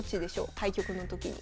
対局の時に。